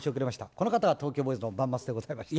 この方が東京ボーイズのバンマスでございまして。